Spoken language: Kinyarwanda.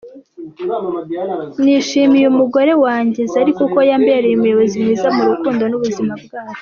Nishimiye umugore wanjye Zari kuko yambereye umuyobozi mwiza mu rukundo n’ubuzima bwacu…”.